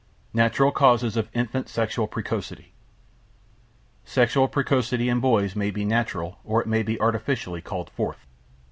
NATURAL CAUSES OF INFANT SEXUAL PRECOCITY Sexual precocity in boys may be natural or it may be artificially called forth.